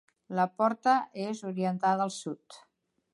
La porta és orientada al sud.